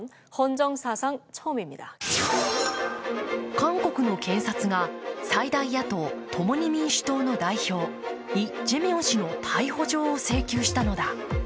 韓国の検察が最大野党共に民主党の代表イ・ジェミョン氏の逮捕状を請求したのだ。